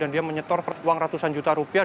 dan dia menyetor uang ratusan juta rupiah